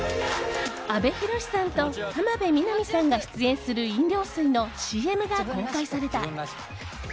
阿部寛さんと浜辺美波さんが出演する飲料水のＣＭが公開された。